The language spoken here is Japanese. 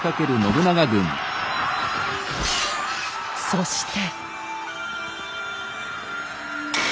そして。